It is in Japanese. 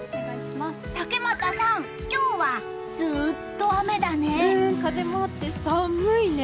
竹俣さん、今日はずっと雨だね。